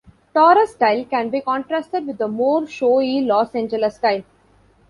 Torres' style can be contrasted with the more showy Los Angeles style.